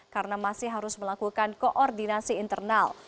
karena masih harus melakukan koordinasi internal